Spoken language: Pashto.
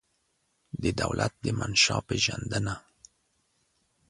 د دولت د منشا پېژندنه